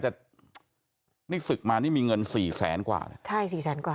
แต่นี่ศึกมานี่มีเงินสี่แสนกว่าใช่สี่แสนกว่า